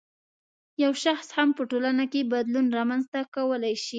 یو شخص هم په ټولنه کې بدلون رامنځته کولای شي.